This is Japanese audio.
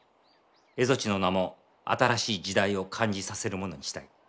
蝦夷地の名も新しい時代を感じさせるものにしたい。